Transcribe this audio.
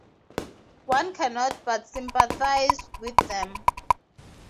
One cannot but sympathise with them.